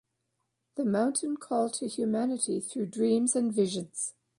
The mountain called to humanity through dreams and visions.